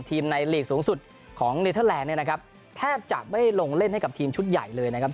ทีมในลีกสูงสุดของนิตเตอร์แลงแทบจะไม่ลงเล่นให้กับทีมชุดใหญ่เลยนะครับ